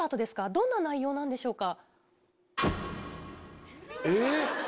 どんな内容なんでしょうか？